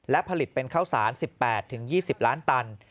และผลิตเป็นข้าวสาร๑๘๒๐ล้านตัน